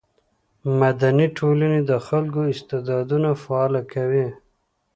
مدني ټولنې د خلکو استعدادونه فعاله کوي.